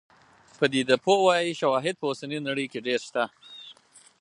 پدیده پوه وايي شواهد په اوسنۍ نړۍ کې ډېر شته.